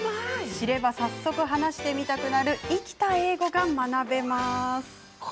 知れば早速話してみたくなる生きた英語が学べます。